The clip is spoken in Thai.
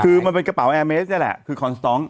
คือมันเป็นกระเป๋าแอร์เมสนี่แหละคือคอนสต๊อก